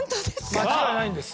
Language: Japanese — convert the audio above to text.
間違いないんです。